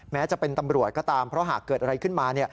แม้จะเป็นตำรวจก็ตามเพราะหากเกิดอะไรขึ้นมา